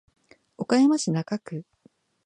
岡山市中区